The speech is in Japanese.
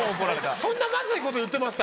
そんなまずいこと言ってました？